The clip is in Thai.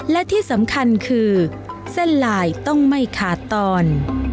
และที่สำคัญคือเส้นลายต้องไม่ขาดตอน